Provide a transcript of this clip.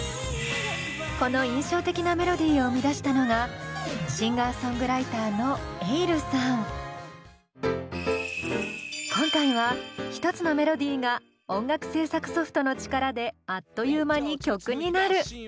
この印象的なメロディーを生み出したのがシンガーソングライターの今回は１つのメロディーが音楽制作ソフトの力であっという間に曲になる！